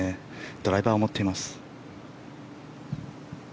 ドライバーを持っています。